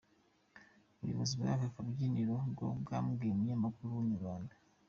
Ubuyobozi bw’aka kabyiniro bwo bwabwiye umunyamakuru wa Inyarwanda.